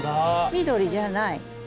緑じゃない。